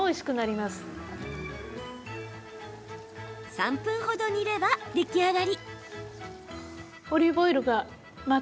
３分ほど煮れば出来上がり。